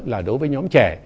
là đối với nhóm trẻ